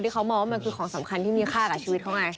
เขามองว่ามันคือของสำคัญที่มีค่ากับชีวิตเขาไง